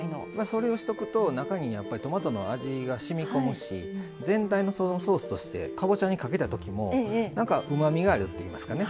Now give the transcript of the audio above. それをしとくと中にトマトの味がしみこむし全体のソースとしてかぼちゃにかけたときもなんかうまみがあるっていいますかね